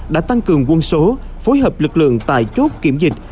đã tăng cường quân số phối hợp lực lượng tại chốt kiểm dịch